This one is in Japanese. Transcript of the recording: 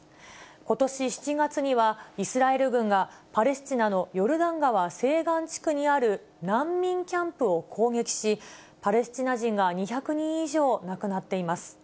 ことし７月には、イスラエル軍がパレスチナのヨルダン川西岸地区にある難民キャンプを攻撃し、パレスチナ人が２００人以上亡くなっています。